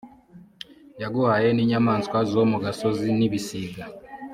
yaguhaye n’inyamaswa zo mu gasozi n’ibisiga